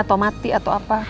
otomatis atau apa